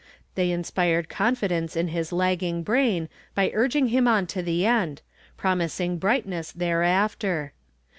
They inspired confidence in his lagging brain by urging him on to the end, promising brightness thereafter.